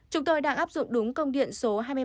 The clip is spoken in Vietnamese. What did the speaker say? chúng tôi đang áp dụng đúng công điện số hai mươi ba